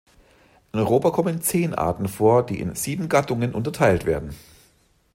In Europa kommen zehn Arten vor, die in sieben Gattungen unterteilt werden.